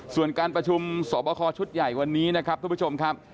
ส่วนการประชุมสอบคอชุดใหญ่วันนี้นะครับทุกผู้ชมครับ